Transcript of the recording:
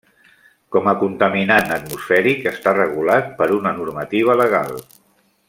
Com a contaminant atmosfèric està regulat per una normativa legal.